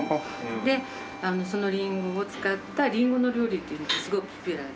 でそのリンゴを使ったリンゴの料理っていうのがすごくポピュラーで。